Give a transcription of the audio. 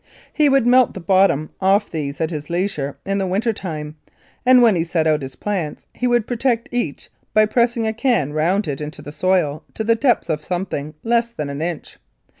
He would melt the bottoms off these at his leisure in the winter time, and when he set out his plants he would protect each by pressing a can round it into the soil to the depth of something less than an inch.